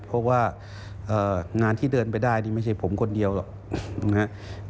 เพราะว่างานที่เดินไปได้นี่ไม่ใช่ผมคนเดียวหรอกนะครับ